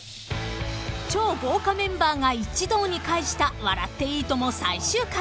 ［超豪華メンバーが一堂に会した『笑っていいとも！』最終回］